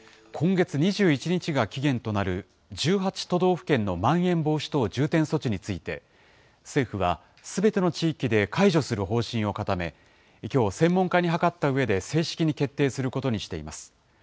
今月２１日が期限となる１８都道府県のまん延防止等重点措置について、政府はすべての地域で解除する方針を固め、きょう、専門家に諮ったうえで、正式に決定することにしています。